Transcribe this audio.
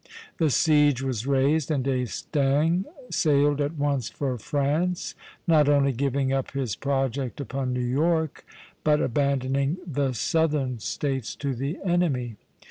The siege was raised, and D'Estaing sailed at once for France, not only giving up his project upon New York, but abandoning the Southern States to the enemy.